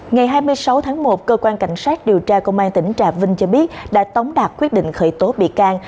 ngày hai mươi sáu tháng một cơ quan cảnh sát điều tra công an tỉnh trà vinh cho biết đã tống đạt quyết định khởi tố bị can